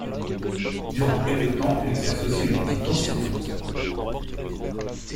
Durant quelque temps, elle exerce aussi le métier d'enseignante.